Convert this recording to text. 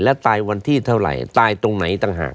และตายวันที่เท่าไหร่ตายตรงไหนต่างหาก